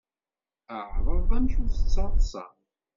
Ɛreḍ amek ur tettaḍsaḍ.